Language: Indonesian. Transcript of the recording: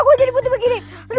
lupa lupa jadi begini